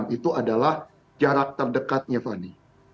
itu adalah jarak terdekatnya fani